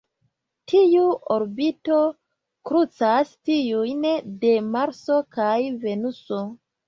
Tiu orbito krucas tiujn de Marso kaj Venuso.